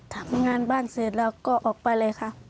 ทำงานบ้านเสร็จแล้วก็ออกไปเลยค่ะ